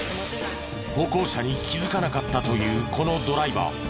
歩行者に気づかなかったというこのドライバー。